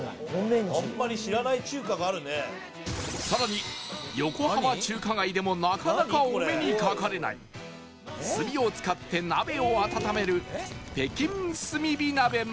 更に横浜中華街でもなかなかお目にかかれない炭を使って鍋を温める北京炭火鍋まで